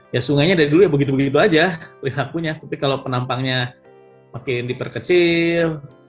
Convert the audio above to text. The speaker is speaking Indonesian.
ya sungainya dari dulu ya begitu begitu aja lihakunya tapi kalau penampangnya makin diperkecil